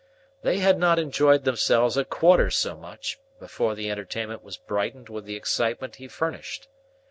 They had not enjoyed themselves a quarter so much, before the entertainment was brightened with the excitement he furnished.